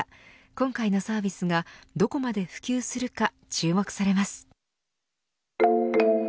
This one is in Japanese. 今回のサービスがどこまで普及するか注目されます。